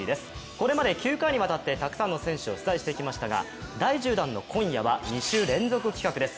これまで９回にわたってたくさんの選手を取材してきましたが第１０弾の今夜は２週連続企画です。